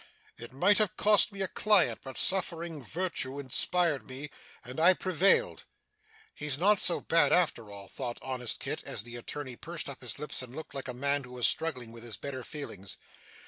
It might have cost me a client. But suffering virtue inspired me, and I prevailed.' 'He's not so bad after all,' thought honest Kit, as the attorney pursed up his lips and looked like a man who was struggling with his better feelings.